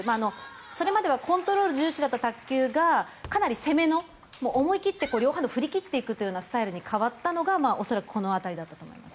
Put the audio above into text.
それまではコントロール重視だった卓球がかなり攻めの思い切って両ハンドを振り切っていくというスタイルに変わったのが恐らくこの辺りだったと思います。